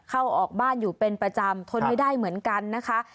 เข้าออกบ้านอยู่เป็นประจำทนไม่ได้เหมือนกันนะคะ